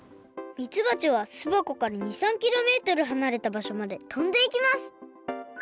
みつばちはすばこから２３キロメートルはなれたばしょまでとんでいきます。